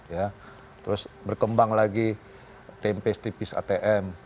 ya terus berkembang lagi tempes tipis atm